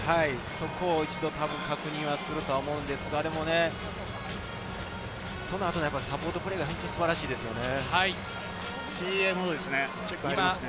そこを一度確認すると思うんですが、その後のサポートプレーが本当に素晴らしいですね。